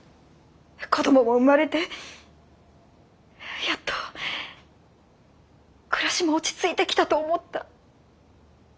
子どもも生まれてやっと暮らしも落ち着いてきたと思った。